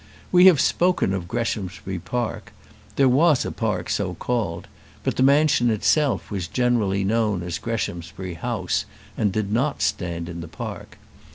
We have spoken of Greshamsbury Park; there was a park so called, but the mansion itself was generally known as Greshamsbury House, and did not stand in the park.